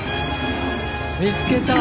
見つけた！